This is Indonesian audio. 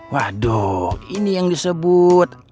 waduh ini yang disebut ambil penggi di atas kendi